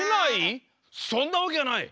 そんなわけはない！